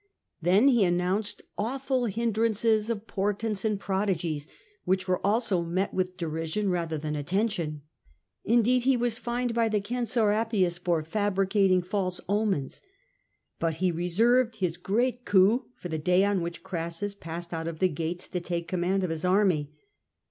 Then he announced awful hindrances of portents and prodigies, which were also met with derision rather than attention ; indeed, he was fined by the censor Appius for fabricating false omens. But he reserved his great coup for the day on which Crassus passed out of the gates to take com mand of his army.